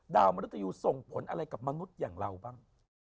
มนุษยูส่งผลอะไรกับมนุษย์อย่างเราบ้าง